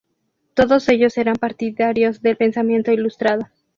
Todos ellos eran partidarios del pensamiento ilustrado.